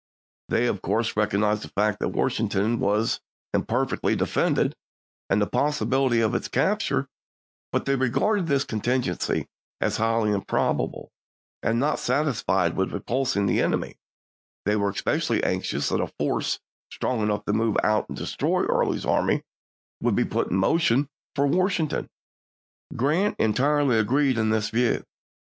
They of course recognized the fact that Washington was imperfectly defended, and the possibility of its capture; but they regarded this contingency as highly improbable, and not satisfied with repulsing the enemy, they were especially anxious that a force strong enough to move out and destroy Early's army should be put in motion for Wash ington. Grant entirely agreed in this view.